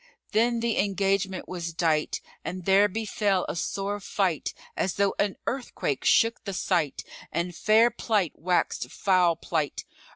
Then the engagement was dight and there befel a sore fight as though an earthquake shook the site and fair plight waxed foul plight.